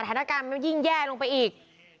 สถานการณ์มันยิ่งแย่ลงไปอีก